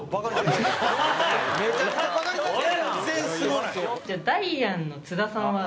じゃあダイアンの津田さんは。